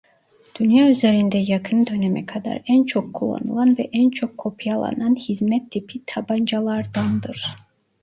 Dünya üzerinde yakın döneme kadar en çok kullanılan ve en çok kopyalanan hizmet tipi tabancalardandır.